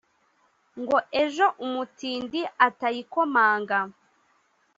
ngo ejo umutindi atayikomanga